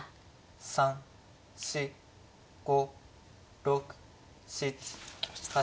３４５６７８。